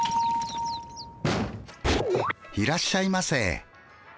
いらっしゃいませ。